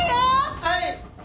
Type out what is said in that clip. はい！